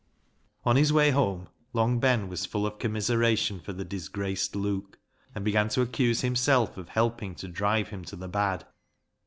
On his way home Long Ben was full of com miseration for the disgraced Luke, and began to accuse himself of helping to drive him to the bad.